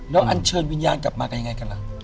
แล้วอันเชิญวิญญาณกลับมากันยังไงกันล่ะ